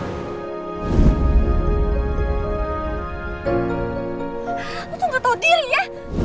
lu tuh gak tau diri ya